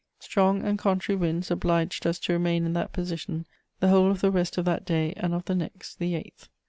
Strong and contrary winds obliged us to remain in that position the whole of the rest of that day and of the next, the 8th.